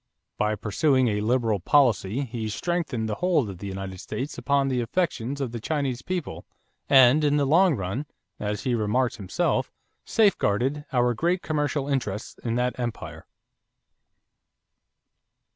By pursuing a liberal policy, he strengthened the hold of the United States upon the affections of the Chinese people and, in the long run, as he remarked himself, safeguarded "our great commercial interests in that Empire."